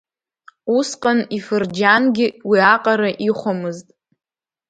Усҟан ифырџьангьы уиаҟара ихәомызт.